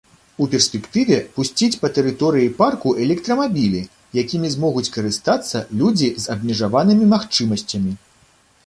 У перспектыве пусціць па тэрыторыі парку электрамабілі, якімі змогуць карыстацца людзі з абмежаванымі магчымасцямі.